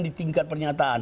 di tingkat pernyataan